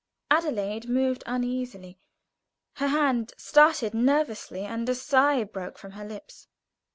Adelaide moved uneasily; her hand started nervously, and a sigh broke from her lips.